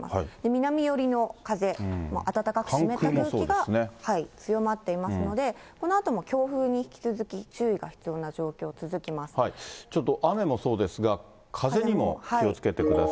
南寄りの風、暖かく湿った空気が強まっていますので、このあとも強風に引き続ちょっと雨もそうですが、風にも気をつけてください。